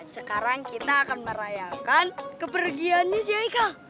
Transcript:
sekarang kita akan merayakan kepergiannya si aika